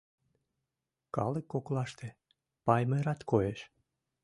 Калык коклаште Паймырат коеш.